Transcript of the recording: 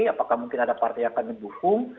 apakah mungkin ada partai yang akan mendukung